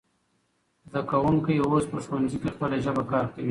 زده کوونکی اوس په ښوونځي کې خپله ژبه کارکوي.